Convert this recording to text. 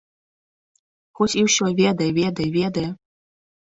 Хоць і ўсё ведае, ведае, ведае.